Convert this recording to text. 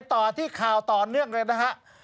ต่อที่ข่าวต่อเนื่องเลยนะฮะ